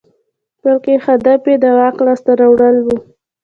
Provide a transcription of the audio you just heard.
بلکې هدف یې د واک لاسته راوړل وو.